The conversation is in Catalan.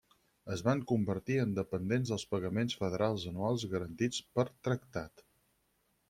Es van convertir en dependents dels pagaments federals anuals garantits per tractat.